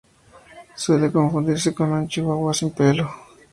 Suele confundirse con un Chihuahua sin pelo.